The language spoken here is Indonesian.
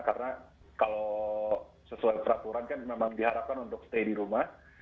karena kalau sesuai peraturan kan memang diharapkan untuk stay di rumah